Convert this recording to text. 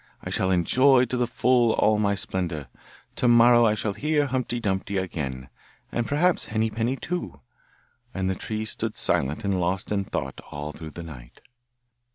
I shall enjoy to the full all my splendour. To morrow I shall hear Humpty Dumpty again, and perhaps Henny Penny too.' And the tree stood silent and lost in thought all through the night.